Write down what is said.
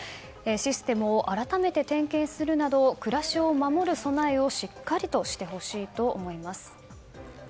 システムを改めて点検するなど暮らしを守る備えをしっかりとしてほしいと思います。